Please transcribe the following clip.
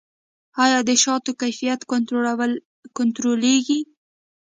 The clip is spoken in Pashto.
آیا د شاتو کیفیت کنټرولیږي؟